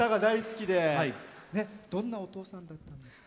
どんなお父さんだったんですか？